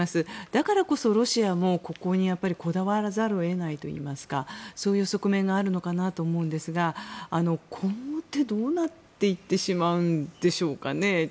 だからこそロシアもここにこだわらざるを得ないといいますかそういう側面があるのかなと思うんですが今後ってどうなっていってしまうんでしょうか？